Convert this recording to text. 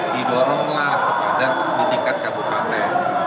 didoronglah kepada di tingkat kabupaten